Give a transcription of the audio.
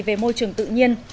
về môi trường tự nhiên